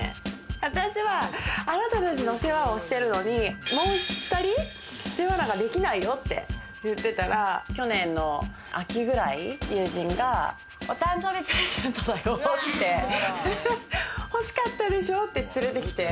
私はあなたたちの世話をしているのに、もう２人、世話なんかできないよって言ってたら、去年の秋ぐらいに友人がお誕生日プレゼントだよって欲しかったでしょって連れてきて。